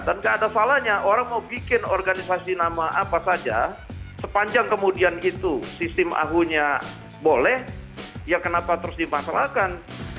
dan tidak ada salahnya orang mau bikin organisasi nama apa saja sepanjang kemudian itu sistem ahu nya boleh ya kenapa terus dimasalahkan